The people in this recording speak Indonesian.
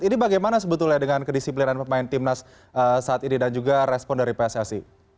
ini bagaimana sebetulnya dengan kedisiplinan pemain timnas saat ini dan juga respon dari pssi